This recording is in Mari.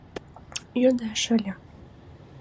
Йодеш ыле: